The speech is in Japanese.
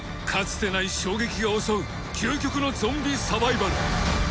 かつてない衝撃が襲う究極のゾンビサバイバル